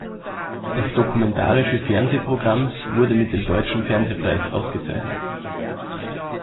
Das dokumentarische Fernsehprogramms wurde mit dem Deutschen Fernsehpreis ausgezeichnet.